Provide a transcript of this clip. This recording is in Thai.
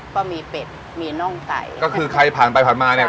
ก็มีเป็ดมีน่องไก่ก็คือใครผ่านไปผ่านมาเนี้ย